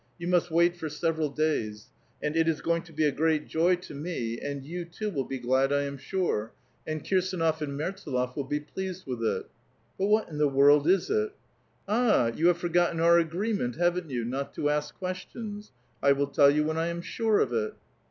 You must ^ait for several days. And it is going to be a great joy to 154 A VITAL QUESTION. nie, and you too will be glad, I am sure ; and Kirsdnof and Mertsdlot' will Ik; pleasiH.! with it." " lUil wliat in tlio world is it? "All, you have forgotten our agreement, haven't you, not to ask questions? I will tell you when I am sure of it."